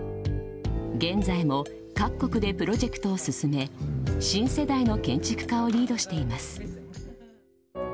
現在も各国でプロジェクトを進め新世代の建築家をリードしています。